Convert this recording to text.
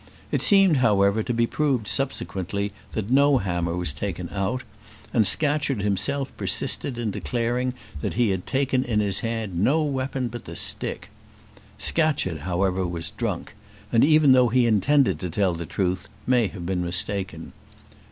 It seemed, however, to be proved subsequently that no hammer was taken out, and Scatcherd himself persisted in declaring that he had taken in his hand no weapon but the stick. Scatcherd, however, was drunk; and even though he intended to tell the truth, may have been mistaken.